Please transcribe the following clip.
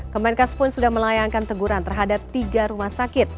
kemenkes pun sudah melayangkan teguran terhadap tiga rumah sakit